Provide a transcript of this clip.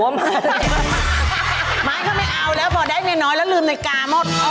ไม่ไม่เอาแล้วพอได้นิดน้อยแล้วลืมในกาหมด